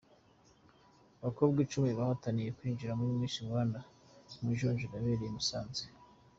Abakobwa icumi bahataniye kwinjira muri Miss Rwanda mu majonjora yabereye i Musanze.